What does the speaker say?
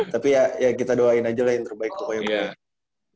tapi ya ya kita doain aja lah yang terbaik